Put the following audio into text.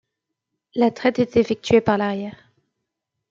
La traite est effectuée par l'arrière.